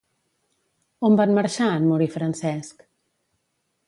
On van marxar en morir Francesc?